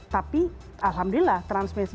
tapi alhamdulillah transmisi